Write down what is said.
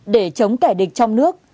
để chống kẻ địch trong nước